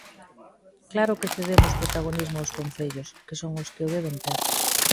Claro que cedemos protagonismo aos concellos, que son os que o deben ter.